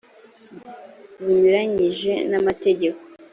bunyuranije n amategeko